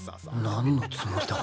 何のつもりだ？